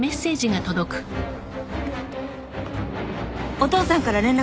「お父さんから連絡」